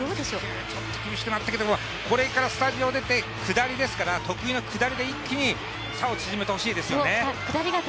ちょっと厳しくなったけれども、これからスタジオを出て下りですから、得意のスタジオで一気に差を縮めてほしいですよね。